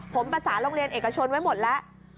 ผมประสานโรงเรียนเอกชนไว้หมดแล้ว